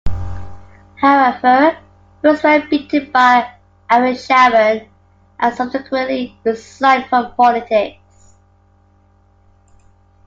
However, he was well-beaten by Ariel Sharon and subsequently resigned from politics.